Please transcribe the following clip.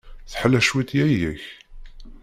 Teḥla cwiṭ yaya-k?